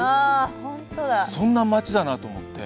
そんな街だなと思って。